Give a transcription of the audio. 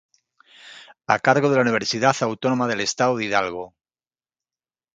A cargo de la Universidad Autónoma del Estado de Hidalgo.